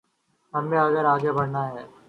ہمیں اگر آگے بڑھنا ہے۔